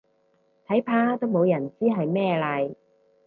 睇怕都冇人知係咩嚟